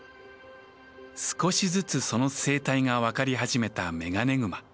少しずつその生態が分かり始めたメガネグマ。